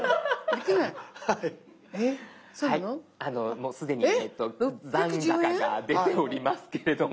もう既に残高が出ておりますけれども。